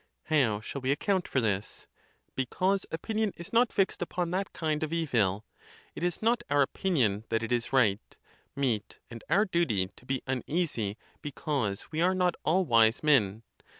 How shall we account for this? Because opinion is not fixed upon that kind of evil, it is not our opinion that it is right, meet, and our duty to be uneasy because we are not all wise men.